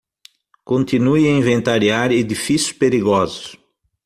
Continue a inventariar edifícios perigosos